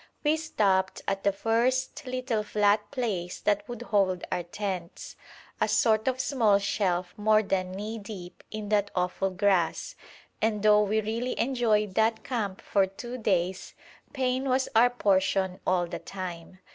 We stopped at the first little flat place that would hold our tents, a sort of small shelf more than knee deep in that awful grass; and though we really enjoyed that camp for two days, pain was our portion all the time.